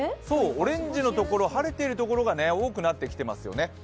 オレンジの所、晴れている所が多くなってきていますよね。